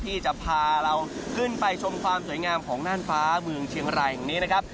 ที่จะพาเราขึ้นไปชมความสวยงามของน่านฟ้าเมืองเชียงรายแห่งนี้นะครับ